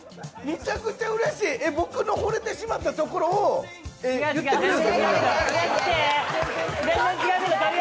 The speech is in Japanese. めちゃくちゃうれしい、僕の惚れてしまったところをやる？